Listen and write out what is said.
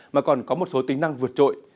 mà còn có một số tính năng vượt trội